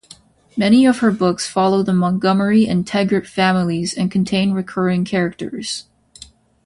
Many of her books follow the Montgomery and Taggert families and contain recurring characters.